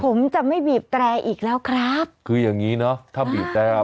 ผมจะไม่บีบแตรอีกแล้วครับคืออย่างงี้เนอะถ้าบีบแตร่